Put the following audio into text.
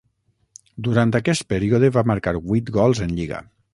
Durant aquest període va marcar vuit gols en Lliga.